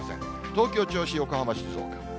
東京、銚子、横浜、静岡。